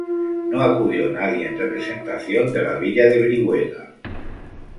No acudió nadie en representación de la villa de Brihuega.